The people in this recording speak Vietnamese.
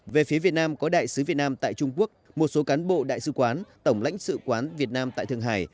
về phía việt nam có đại sứ việt nam tại trung quốc một số cán bộ đại sứ quán tổng lãnh sự quán việt nam tại thượng hải